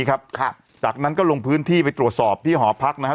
ครับจากนั้นก็ลงพื้นที่ไปตรวจสอบที่หอพักนะครับ